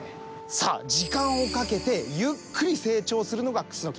さあ時間をかけてゆっくり成長するのがクスノキ。